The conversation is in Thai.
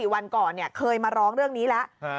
วันก่อนเคยมาร้องเรื่องนี้แล้ว